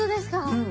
うん。